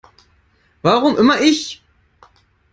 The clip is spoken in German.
Warum immer ich?